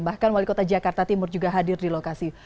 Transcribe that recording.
bahkan wali kota jakarta timur juga hadir di lokasi